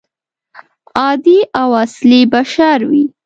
عادي او اصلي بشر وي.